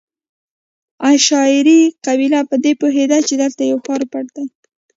عشایري قبیله په دې پوهېده چې دلته یو ښار پټ دی.